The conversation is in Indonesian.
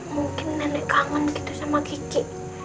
mungkin nenek kangen gitu sama kicik